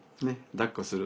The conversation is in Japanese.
だっこする。